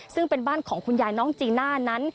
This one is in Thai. ซึ่งเป็นบ้านของคุณยายน้องจีน่านั้น